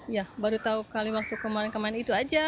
iya baru tahu kali waktu kemarin kemarin itu saja